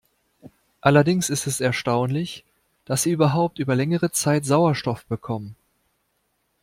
Allerdings ist es erstaunlich, dass sie überhaupt über längere Zeit Sauerstoff bekommen.